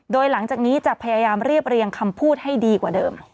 โดยหลังจากนี้จะพยายามเรียบเรียงคำพูดให้ดีกว่าเดิม